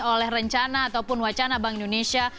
oleh rencana ataupun wacana bank indonesia